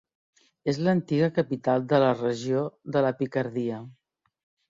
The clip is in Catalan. És l'antiga capital de la regió de la Picardia.